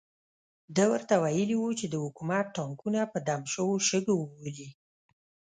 ده ورته ویلي وو چې د حکومت ټانګونه په دم شوو شګو وولي.